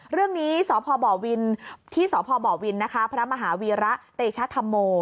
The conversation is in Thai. เรื่องนี้ที่สภบ่อวินพระมหาวิระเตชธัมมูล